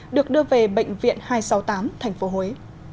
được đưa về bệnh viện hai trăm sáu mươi tám tp huế